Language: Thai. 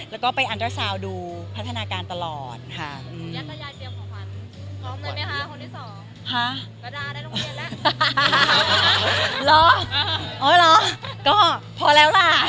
แล้วก็ไปอันตราซาวน์ดูพัฒนาการตลอดค่ะ